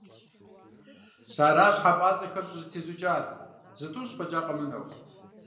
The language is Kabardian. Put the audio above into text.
Сэ аращ хьэпӀацӀэхэр щӀызэтезукӀар, зытӀущ фӀэкӀа къэмынэу.